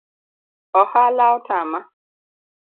Ohala otama